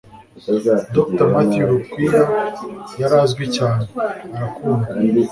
dr matthew lukwiya yari azwi cyane, arakundwa